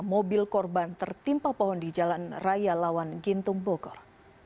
mobil korban tertimpa pohon di jalan raya lawan gintung bogor